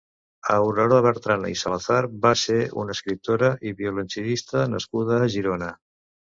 Aurora Bertrana i Salazar va ser una escriptora i violoncel·lista nascuda a Girona.